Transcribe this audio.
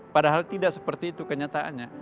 padahal tidak seperti itu kenyataannya